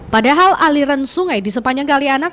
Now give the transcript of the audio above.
padahal aliran sungai di sepanjang kalianak